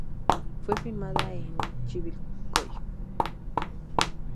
Fue filmada en Chivilcoy.